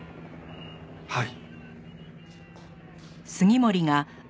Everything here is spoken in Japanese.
はい。